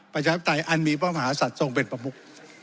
ประชาธิปไตยอันมีพระมหาศัตว์ทรงเป็นประมุก